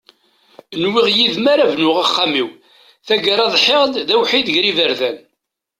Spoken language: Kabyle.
Nwiɣ yid-m ara bnuɣ axxam-iw, tagara ḍḥiɣ-d d awḥid ger iberdan.